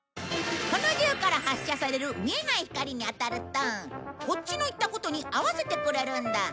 この銃から発射される見えない光に当たるとこっちの言ったことに合わせてくれるんだ。